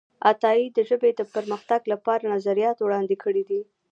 عطايي د ژبې د پرمختګ لپاره نظریات وړاندې کړي دي.